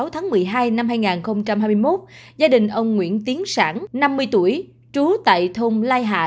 sáu tháng một mươi hai năm hai nghìn hai mươi một gia đình ông nguyễn tiến sản năm mươi tuổi trú tại thôn lai hạ